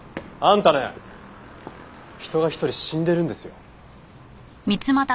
あんたね人がひとり死んでるんですよ。